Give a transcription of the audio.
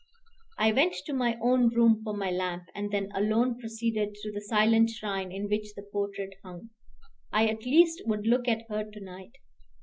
I went to my own room for my lamp, and then alone proceeded to the silent shrine in which the portrait hung. I at least would look at her to night.